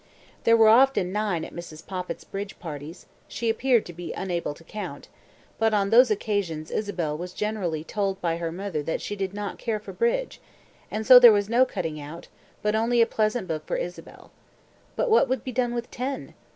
There were often nine at Mrs. Poppit's bridge parties (she appeared to be unable to count), but on those occasions Isabel was generally told by her mother that she did not care for bridge, and so there was no cutting out, but only a pleasant book for Isabel. But what would be done with ten?